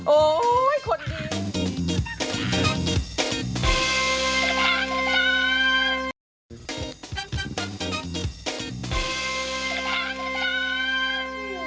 โอ๊ยคนดี